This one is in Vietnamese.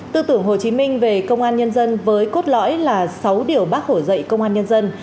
tư tưởng hồ chí minh về công an nhân dân với cốt lõi là sáu điều bác hổ dạy công an nhân dân